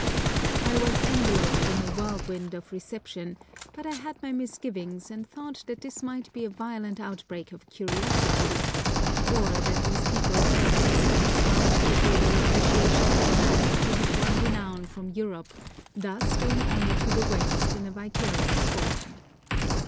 I was enveloped in a whirlwind of reception, but I had my misgivings and thought that this might be a violent outbreak of curiosity, or that these people felt themselves bound to show their appreciation of a man who had won renown from Europe, thus doing honour to the West in a vicarious form.